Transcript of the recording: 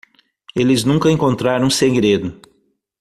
Eles nunca encontraram o segredo.